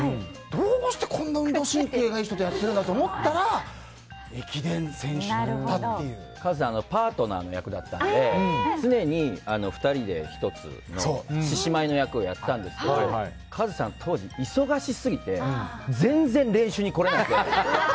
どうして、こんなに運動神経がいい人とやっているんだと思ったらカズさんパートナーの役だったんで常に２人で１つの獅子舞の役をやったんですけどカズさん、当時忙しすぎて全然練習に来れなくて。